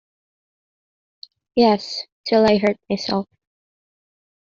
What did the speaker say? Yes, till I hurt myself.